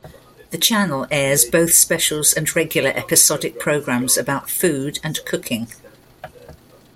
The channel airs both specials and regular episodic programs about food and cooking.